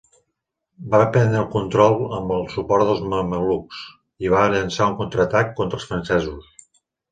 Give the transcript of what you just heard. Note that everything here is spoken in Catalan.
Va prendre el control amb el suport dels mamelucs i va llançar un contraatac contra els francesos.